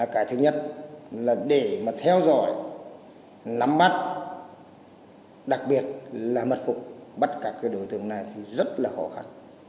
cái thứ nhất là để mà theo dõi nắm mắt đặc biệt là mật phục bắt các đối tượng này thì rất là khó khăn